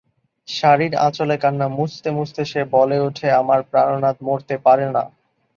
শাড়ির আচলে কান্না মুছতে মুছতে সে বলে উঠে আমার প্রাণোনাদ মরতে পারেনা।